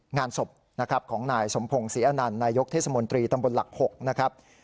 งานศพนะครับของนายสมพงศ์ศรีอนันต์นายกเทศมนตรีตำบลหลัก๖นะครับ